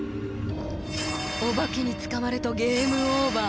お化けに捕まるとゲームオーバー！